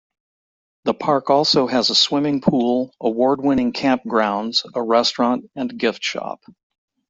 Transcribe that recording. The park also has a swimming pool, award-winning campgrounds, a restaurant, and gift shop.